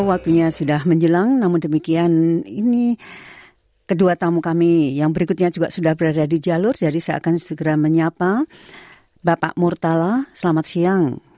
anda bersama sbs bahasa indonesia